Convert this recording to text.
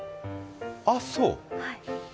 ああそう。